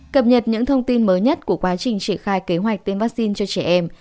cập nhật những thông tin mới nhất của quá trình triển khai kế hoạch tiêm vaccine cho trẻ em